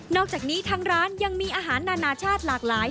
อกจากนี้ทางร้านยังมีอาหารนานาชาติหลากหลาย